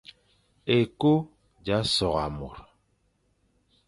Ékô z a sôrga môr,